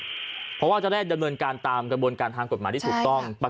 เพราะว่าจะได้ดำเนินการตามกระบวนการทางกฎหมายที่ถูกต้อง